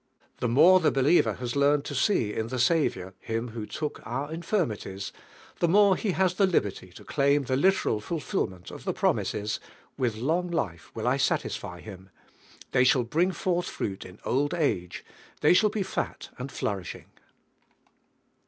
The more the believer has learned to see in the Sav iour Him who "took our Infirmities 7 ' the more he has the liberty to claim the liter al fulfilment of the promises: "With long life will I satisfy him;" "They shall bring forth fruit in old age, rliey shall be fat and flourishing."